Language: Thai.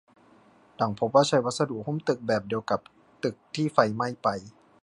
หลังพบว่าใช้วัสดุหุ้มตึกแบบเดียวกับตึกที่ไฟไหม้ไป